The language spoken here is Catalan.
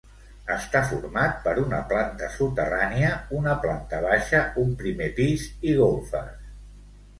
Està format per una planta soterrània, una planta baixa, un primer pis i golfes.